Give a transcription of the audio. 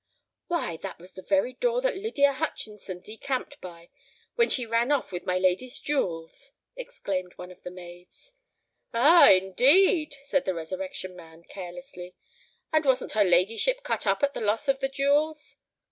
"Why, that was the very door that Lydia Hutchinson decamped by, when she ran off with my lady's jewels," exclaimed one of the maids. "Ah—indeed!" said the Resurrection Man, carelessly. "And wasn't her ladyship cut up at the loss of the jewels?"